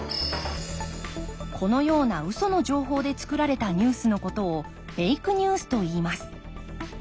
このようなウソの情報でつくられたニュースのことをフェイクニュースといいます。